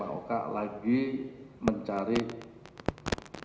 yang harus ambil hasilnya